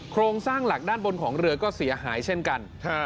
โครงสร้างหลักด้านบนของเรือก็เสียหายเช่นกัน